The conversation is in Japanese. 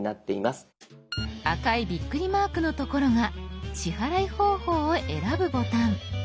赤いビックリマークのところが支払い方法を選ぶボタン。